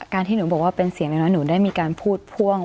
ที่หนูบอกว่าเป็นเสียงน้อยหนูได้มีการพูดพ่วง